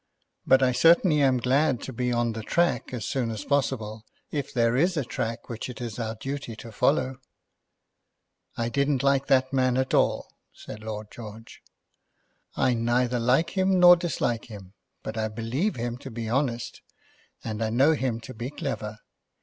"But I certainly am glad to be on the track as soon as possible, if there is a track which it is our duty to follow." "I didn't like that man at all," said Lord George. "I neither like him nor dislike him; but I believe him to be honest, and I know him to be clever.